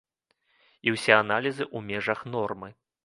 І ўсе аналізы ў межах нормы.